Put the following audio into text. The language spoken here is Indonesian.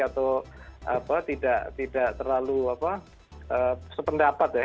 atau tidak terlalu sependapat ya